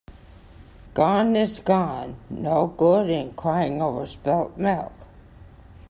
Gone is gone. No good in crying over spilt milk.